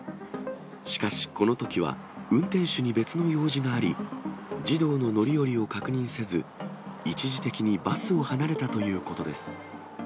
しかし、このときは、運転手に別の用事があり、児童の乗り降りを確認せず、一時的にバスを離れたということです。